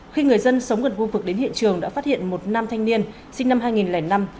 khi người dân sống gần khu vực đến hiện trường đã phát hiện một nam thanh niên sinh năm hai nghìn năm